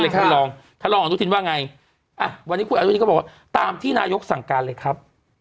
ท่านรองท่านรองอนุทินว่าไงอ่ะวันนี้คุณอนุทินก็บอกว่าตามที่นายกสั่งการเลยครับ